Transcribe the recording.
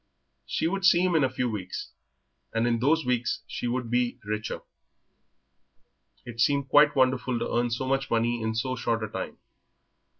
She would see him in a few weeks, and in those weeks she would be richer. It seemed quite wonderful to earn so much money in so short a time.